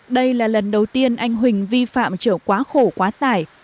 đây là lần đầu tiên anh huỳnh vi phạm chở quá khổ quá tải